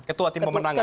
ketua tim pemenangan ya